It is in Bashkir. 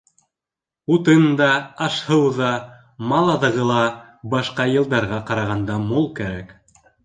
Утын да, аш-һыу ҙа, мал аҙығы ла башҡа йылдарға ҡарағанда мул кәрәк.